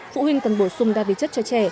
phụ huynh cần bổ sung đa vị chất cho trẻ